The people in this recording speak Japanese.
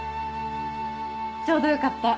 ちょうどよかった。